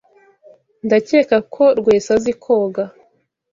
Ndakeka ko Rwesa azi koga.